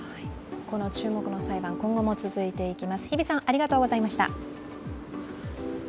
この注目の裁判、今後も続いていきます。